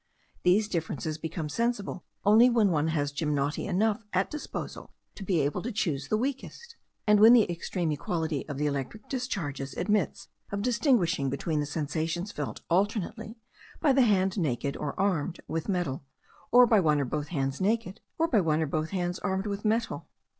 These differences become sensible only when one has gymnoti enough at disposal to be able to choose the weakest; and when the extreme equality of the electric discharges admits of distinguishing between the sensations felt alternately by the hand naked or armed with a metal, by one or both hands naked, and by one or both hands armed with metal.